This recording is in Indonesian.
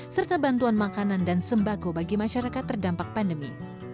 serta bantuan makanan dan sembako bagi masyarakat terdampak pandemi